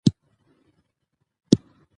د جګړې په جریان کې خلک زغم ښکاره کوي.